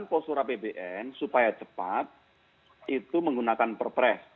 dan posur apbn supaya cepat itu menggunakan perpres